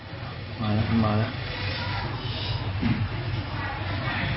แต่คนที่เบิ้ลเครื่องรถจักรยานยนต์แล้วเค้าก็ลากคนนั้นมาทำร้ายร่างกาย